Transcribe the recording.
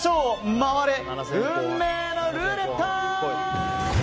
回れ、運命のルーレット！